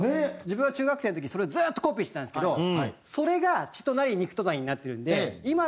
自分は中学生の時それをずっとコピーしてたんですけどそれが血となり肉となりになってるんで。